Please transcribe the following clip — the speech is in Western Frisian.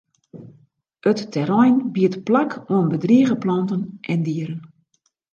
It terrein biedt plak oan bedrige planten en dieren.